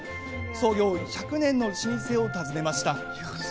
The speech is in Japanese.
創業１００年の老舗を訪ねました。